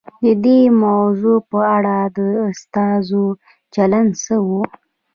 د دې موضوع په اړه د استازو چلند څه و؟